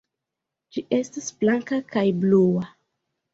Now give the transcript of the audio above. Ĝi estas blanka kaj blua.